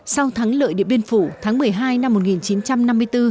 sau thắng lợi địa biên phủ tháng một mươi hai năm một nghìn chín trăm năm mươi bốn